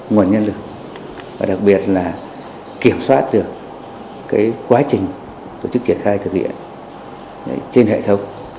nguồn nhân lực và đặc biệt là kiểm soát được quá trình tổ chức triển khai thực hiện trên hệ thống